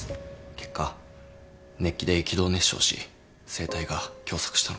結果熱気で気道熱傷し声帯が狭窄したのかと。